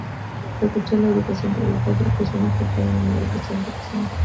Precursor de la educación para la paz, propuso una "carta mínima de educación internacional".